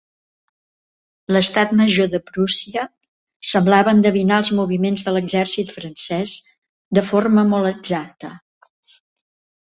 L'estat major de Prússia semblava endevinar els moviments de l'exèrcit francès de forma molt exacta.